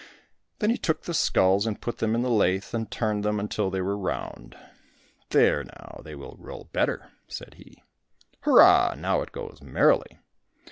Then he took the skulls and put them in the lathe and turned them till they were round. "There, now, they will roll better!" said he. "Hurrah! Now it goes merrily!"